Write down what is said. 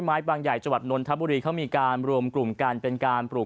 ไม้ต่างใหญ่จวดมนตร์ทหทัพบุรีเขามีการรวมกลุ่มการเป็นการปลูก